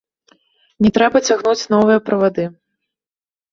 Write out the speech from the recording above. Не трэба цягнуць новыя правады.